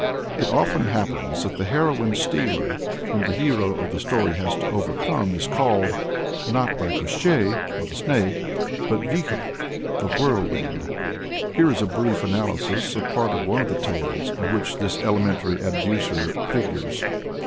It often happens that the heroine stealer whom the hero of the story has to overcome is called, not Koshchei nor the Snake, but Vikhor, the whirlwind. Here is a brief analysis of part of one of the tales in which this elementary abducer figures.